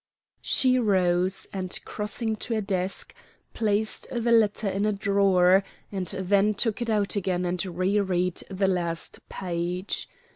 She rose and, crossing to a desk, placed the letter in a drawer, and then took it out again and re read the last page.